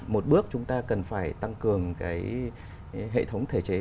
một bước chúng ta cần phải tăng cường cái hệ thống thể chế